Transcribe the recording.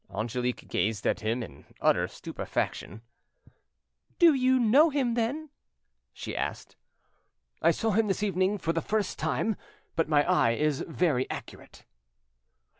Angelique gazed at him in utter stupefaction. "Do you know him, then?" she asked. "I saw him this evening for the first time, but my eye is very accurate.